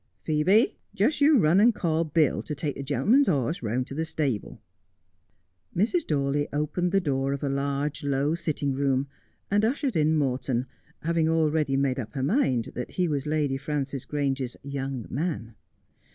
' Phcebe, just you run and call Bill to take the gentleman's horse round to the stable.' Mrs. Dawley opened the door of a large, low sitting room, and ushered in Morton, having already made up her mind that he was Lady Frances Grange's ' young man.'